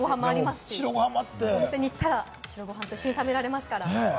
お店に行ったら、白ご飯と一緒に食べられますから。